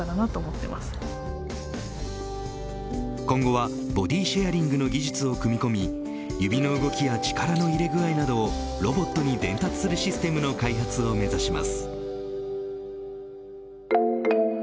今後はボディシェアリングの技術を組み込み指の動きや、力の入れ具合などをロボットに伝達するシステムの開発を目指します。